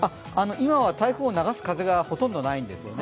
今は台風を流す風がほとんどないんですよね。